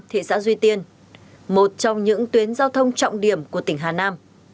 thị xã duy tiên một trong những tuyến giao thông trọng điểm của tỉnh hà nam